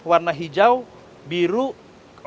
warna hijau biru oranye